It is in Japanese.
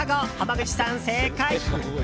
濱口さん、正解！